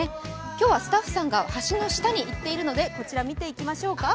今日はスタッフさんが橋の下に行っていますのでそちらを見ていきましょうか。